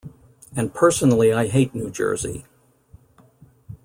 And personally I hate New Jersey.